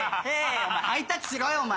お前ハイタッチしろよ！